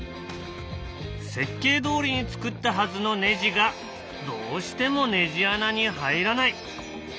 設計どおりに作ったはずのネジがどうしてもネジ穴に入らない。